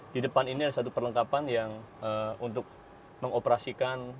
di depan ini ada satu perlengkapan yang untuk mengoperasikan